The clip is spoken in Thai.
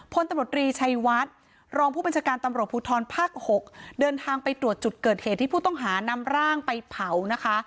พลตำรวจรีชัยวัดรองผู้บัญชาการตำรวจภูทรภาค๖เดินทางไปตรวจจุดเกิดเหตุที่ผู้ต้องหานำร่างไปเผานะคะ